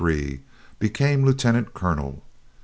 Became lieutenant colonel.